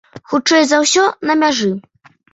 Хутчэй за ўсё, на мяжы.